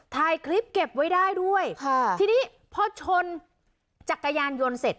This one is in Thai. ถ่ายคลิปเก็บไว้ได้ด้วยค่ะทีนี้พอชนจักรยานยนต์เสร็จ